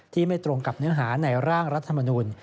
ไม่ตรงกับเนื้อหาในร่างรัฐมนุน